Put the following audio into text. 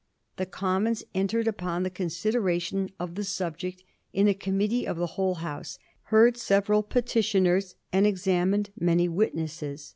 The Commons entered upon the consideration of the subject in a Commit tee of the whole House, heard several petitioners, and examined many witnesses.